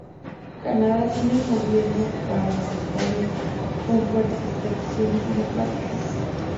Canadá tiene un gobierno parlamentario con fuertes tradiciones democráticas.